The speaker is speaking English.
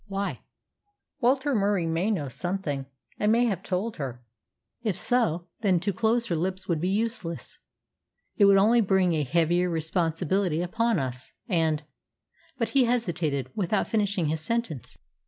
"Why?" "Walter Murie may know something, and may have told her." "If so, then to close her lips would be useless. It would only bring a heavier responsibility upon us and " But he hesitated, without finishing his sentence.